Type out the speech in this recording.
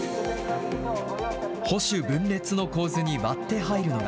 保守分裂の構図に割って入るのが。